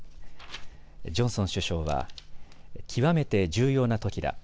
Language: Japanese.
ジョンソン首相は、極めて重要なときだ。